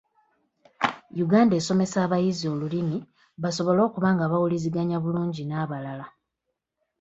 Uganda esomesa abayizi olulimi basobole okuba nga bawuliziganya bulungi n'abalala.